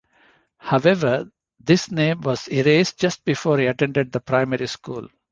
However, this name was erased just before he attended the primary school.